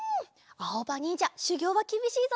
あおばにんじゃしゅぎょうはきびしいぞ。